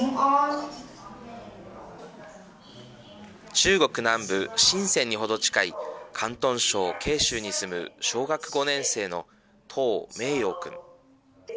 中国南部、深せんにほど近い広東省恵州に住む小学５年生の董名洋君。